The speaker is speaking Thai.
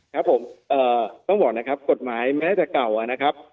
ครับผมต้องบอกนะครับกฎหมายแม้จะเก่านะครับ